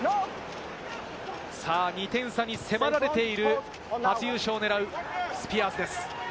２点差に迫られている、初優勝を狙うスピアーズです。